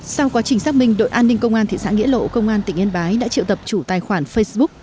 sau quá trình xác minh đội an ninh công an thị xã nghĩa lộ công an tỉnh yên bái đã triệu tập chủ tài khoản facebook